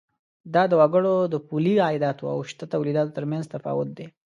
دا د وګړو د پولي عایداتو او شته تولیداتو تر مینځ تفاوت دی.